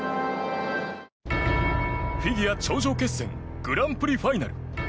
フィギュア頂上決戦グランプリファイナル。